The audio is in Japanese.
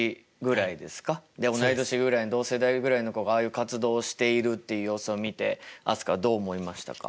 同い年ぐらいの同世代ぐらいの子がああいう活動をしているっていう様子を見て飛鳥はどう思いましたか？